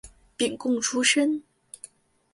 廪贡出身。